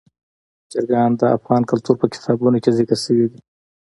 چرګان د افغان تاریخ په کتابونو کې ذکر شوي دي.